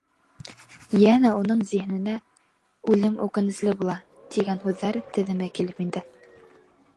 Йәнә уның зиһененә «үлем үкенесле була» тигән һүҙҙәр теҙеме килеп инде.